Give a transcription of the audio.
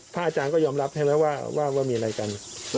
อาจารย์ก็ยอมรับใช่ไหมว่ามีอะไรกัน